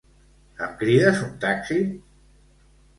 Em crides un taxi?